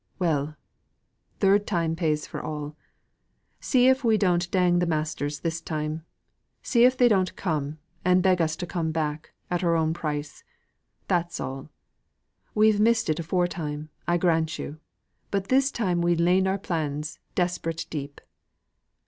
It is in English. "Well, third time pays for all. See if we don't dang th' masters this time. See if they don't come and beg us to come back at our own price. That's all. We've missed it afore time, I grant yo'; but this time we'n laid our plans desperate deep."